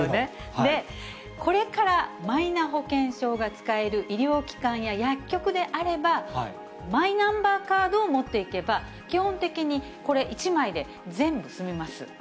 で、これからマイナ保険証が使える医療機関や薬局であれば、マイナンバーカードを持っていけば、基本的にこれ１枚で全部済みます。